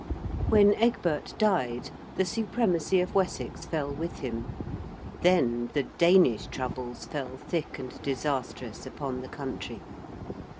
_)] When Egbert died the supremacy of Wessex fell with him. Then the Danish troubles fell thick and disastrous upon the country.